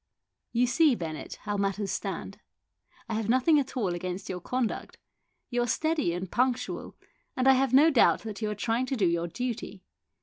"You see, Bennett, how matters stand. I have nothing at all against your conduct. You are steady and punctual, and I have no doubt that you are trying to do your duty.